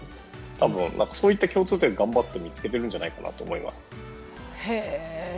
多分そういった共通点を頑張って見つけているんじゃないかなと思います。